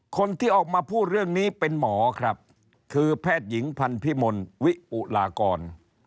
คนที่ออกมาพูดเรื่องนี้เป็นหมอครับคือแพทย์หญิงพันธิมลวิอุลากร